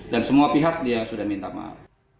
dan semua pihak dia sudah minta maaf